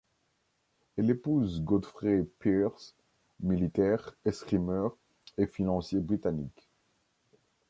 Elle épouse Godfrey Pearse, militaire, escrimeur, et financier britannique.